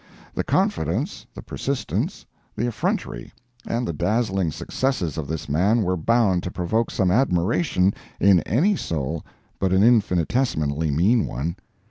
The confidence, the persistence, the effrontery, and the dazzling successes of this man were bound to provoke some admiration in any soul but an infinitesimally mean one.